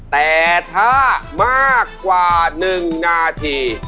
แต่ถ้ามากกว่า๑นาที